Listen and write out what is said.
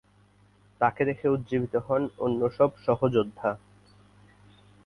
তাকে দেখে উজ্জীবিত হন অন্য সব সহযোদ্ধা।